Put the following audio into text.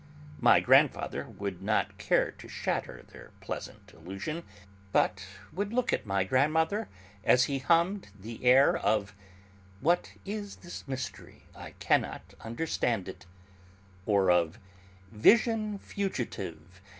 My grandfather would not care to shatter their pleasant illusion, but would look at my grandmother, as he hummed the air of: What is this mystery? I cannot understand it; or of: Vision fugitive...